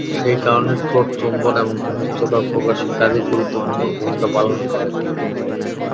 সেই কারণে ঠোঁট চুম্বন এবং ঘনিষ্ঠতা প্রকাশের কাজে গুরুত্বপূর্ণ ভূমিকা পালন করে।